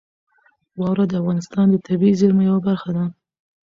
واوره د افغانستان د طبیعي زیرمو یوه برخه ده.